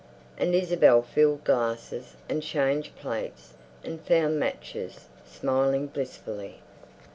And Isabel filled glasses, and changed plates, and found matches, smiling blissfully.